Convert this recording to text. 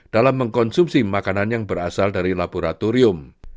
dalam mengkonsumsi makanan yang berasal dari laboratorium